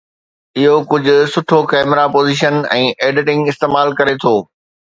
اهو ڪجهه سٺو ڪئميرا پوزيشن ۽ ايڊيٽنگ استعمال ڪري ٿو